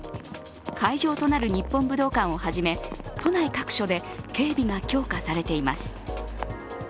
会場となる日本武道館を初め、都内各所で警備が強化されています。